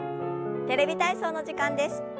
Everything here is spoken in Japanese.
「テレビ体操」の時間です。